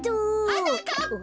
はなかっぱ！